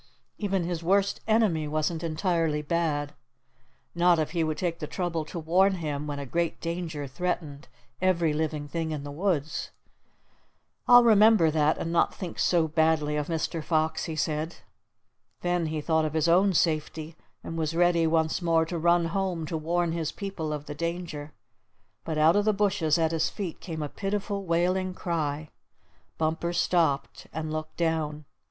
Even his worst enemy wasn't entirely bad, not if he would take the trouble to warn him when a great danger threatened every living thing in the woods. "I'll remember that, and not think so badly of Mr. Fox," he said. Then he thought of his own safety, and was ready once more to run home to warn his people of the danger; but out of the bushes at his feet came a pitiful wailing cry. Bumper stopped, and looked down.